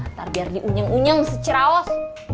ntar biar diunyeng unyeng seciraos